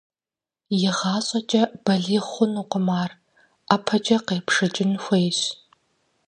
Игъащӏэкӏэ балигъ хъунукъым ар, ӀэпэкӀэ къепшэкӀын хуейщ.